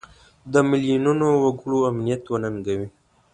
د میلیونونو وګړو امنیت وننګوي.